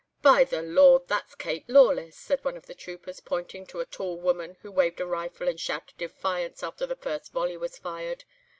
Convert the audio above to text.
"'By the Lord! that's Kate Lawless,' said one of the troopers, pointing to a tall woman who waved a rifle and shouted defiance after the first volley was fired.